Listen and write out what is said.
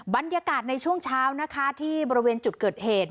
บรรยากาศในช่วงเช้านะคะที่บริเวณจุดเกิดเหตุ